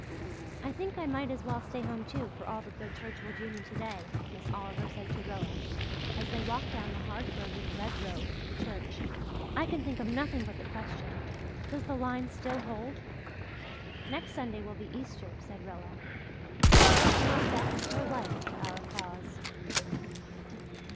"I think I might as well stay home, too, for all the good church will do me today," Miss Oliver said to Rilla, as they walked down the hard frozen red road to the church. "I can think of nothing but the question, 'Does the line still hold?'" "Next Sunday will be Easter," said Rilla. "Will it herald death or life to our cause?"